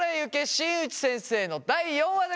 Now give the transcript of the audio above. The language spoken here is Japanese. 新内先生」の第４話でございます。